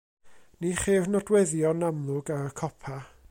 Ni cheir nodweddion amlwg ar y copa.